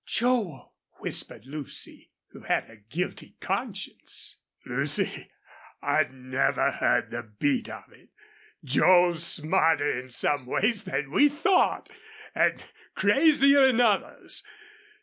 "Joel!" whispered Lucy, who had a guilty conscience. "Lucy, I never heard the beat of it.... Joel's smarter in some ways than we thought, an' crazier in others.